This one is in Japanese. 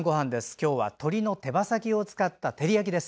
今日は鶏の手羽先を使った照り焼きです。